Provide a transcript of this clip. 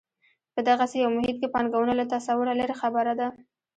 په دغسې یو محیط کې پانګونه له تصوره لرې خبره ده.